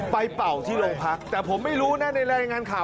เป่าที่โรงพักแต่ผมไม่รู้นะในรายงานข่าว